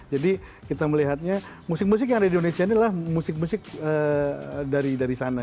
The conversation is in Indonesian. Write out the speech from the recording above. jadi kita melihatnya musik musik yang ada di indonesia ini adalah musik musik dari sana